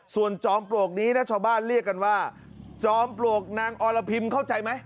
ส่วนจอมปลวกนี้นะชาวบ้านเรียกกันว่าจอมปลวกนางอรพิมเข้าใจไหม